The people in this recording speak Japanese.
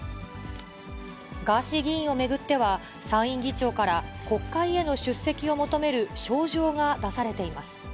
ガーシー議員を巡っては、参院議長から、国会への出席を求める招状が出されています。